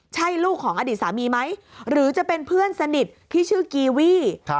ใช่ลูกของอดีตสามีไหมหรือจะเป็นเพื่อนสนิทที่ชื่อกีวี่